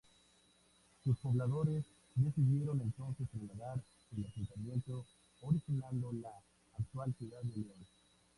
Sus pobladores decidieron entonces trasladar el asentamiento, originando la actual ciudad de León.